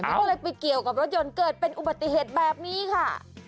ก็เลยไปเกี่ยวกับรถยนต์เกิดเป็นอุบัติเหตุแบบนี้ค่ะ